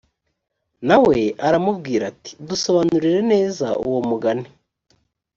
na we aramubwira ati dusobanurire neza uwo mugani